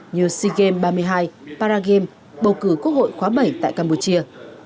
như sea games ba mươi hai paragame bầu cử quốc hội khóa bảy tại campuchia